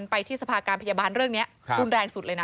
ไปที่สภาการพยาบาลเรื่องนี้รุนแรงสุดเลยนะ